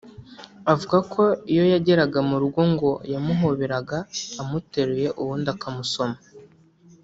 Avuga ko iyo yageraga mu rugo ngo yamuhoberaga amuteruye ubundi akamusoma